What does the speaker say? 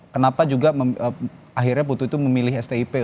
kenapa juga akhirnya putu itu memilih stip